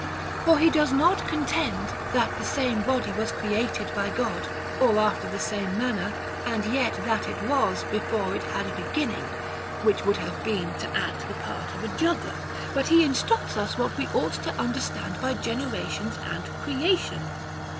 For he does not contend, that the same body was created by God or after the same man ner, and yet that it was before it had a being, — which would have been to act the part of a juggler ; but he in structs us what we ought to understand by generations and creation.